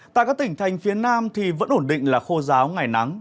tại các tỉnh thành phía nam thì vẫn ổn định là khô giáo ngày nắng